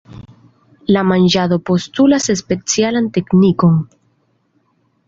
La manĝado postulas specialan teknikon.